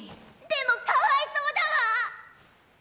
でもかわいそうだわ！